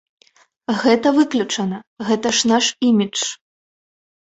Гэта выключана, гэта ж наш імідж.